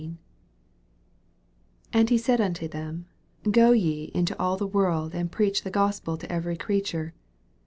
15 And he said unto them, Go ye into all the world, and preach the Gospel to every creature.